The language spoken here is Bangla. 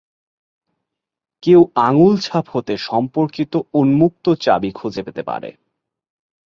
কেউ আঙুল-ছাপ হতে সম্পর্কিত উন্মুক্ত-চাবি খুঁজে পেতে পারে।